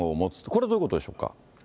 これ、どういうことでしょうか。